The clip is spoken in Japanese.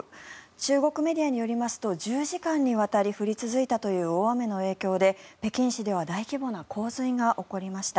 中国メディアによりますと１０時間にわたり降り続いたという大雨の影響で北京市では大規模な洪水が起こりました。